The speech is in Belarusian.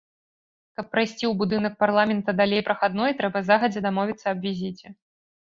Каб прайсці ў будынак парламента далей прахадной, трэба загадзя дамовіцца аб візіце.